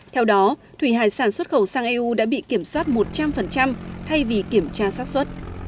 theo đó thủy hải sản xuất khẩu sang eu đã bị kiểm soát một trăm linh thay vì kiểm tra sát xuất